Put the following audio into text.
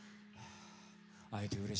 会えてうれしい。